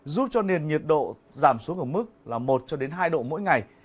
giúp cho nền nhiệt độ giảm xuống ở mức là một hai độ mỗi ngày